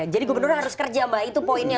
jadi gubernurnya harus kerja mbak itu poinnya